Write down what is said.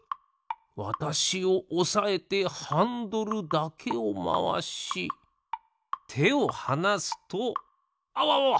わたしをおさえてハンドルだけをまわしてをはなすとあわわわ！